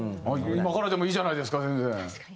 今からでもいいじゃないですか全然。